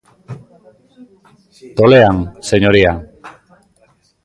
Tolean, señoría.